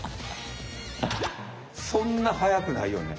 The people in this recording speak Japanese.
そんなはやくないよね。